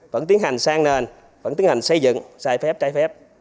vẫn tiến hành sang nền vẫn tiến hành xây dựng sai phép trái phép